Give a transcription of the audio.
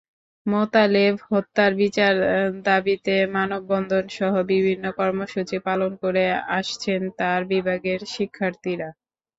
মোতালেব হত্যার বিচার দাবিতে মানববন্ধনসহ বিভিন্ন কর্মসূচি পালন করে আসছেন তাঁর বিভাগের শিক্ষার্থীরা।